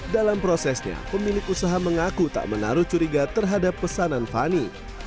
dalam prosesnya pemilik usaha mengaku tak menaruh curiga terhadap pesanan fani